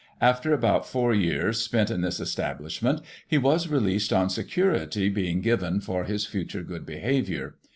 After about four years spent in this establishment, he was released, on security being given for his future good behaviour.